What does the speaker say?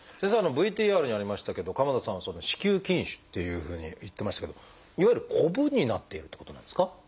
ＶＴＲにありましたけど鎌田さんは「子宮筋腫」っていうふうに言ってましたけどいわゆるコブになっているってことなんですか？